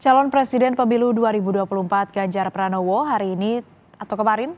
calon presiden pemilu dua ribu dua puluh empat ganjar pranowo hari ini atau kemarin